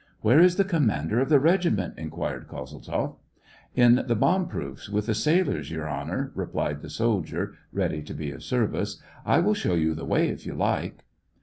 "Where is the commander of the regiment.'*" inquired Kozeltzoff. " In the bomb proofs with the sailors. Your Honor," replied the soldier, ready to be of ser vice. " I will show you the way, if you like."